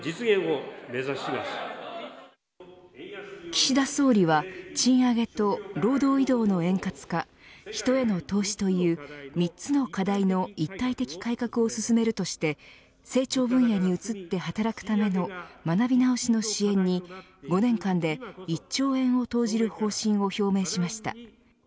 岸田総理は賃上げと労働移動の円滑化人への投資という３つの課題の一体的改革を進めるとして成長分野に移って働くための学び直しの支援に５年間で１兆円を投じる方針を表明しました。